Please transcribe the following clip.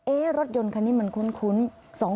เอ๊ะรถยนต์คนนี้มันคุ้น